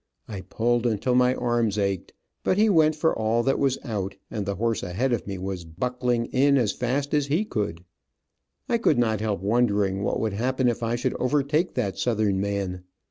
I pulled until my arms ached, but he went for all that was out, and the horse ahead of me was buckling in as fast as he could. I could not help wondering what would happen if I should overtake that Southern man.